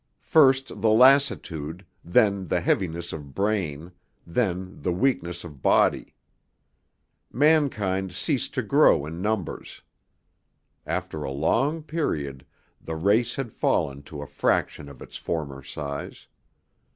First the lassitude, then the heaviness of brain, then the weakness of body. Mankind ceased to grow in numbers. After a long period, the race had fallen to a fraction of its former size.